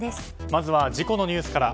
まずは事故のニュースから。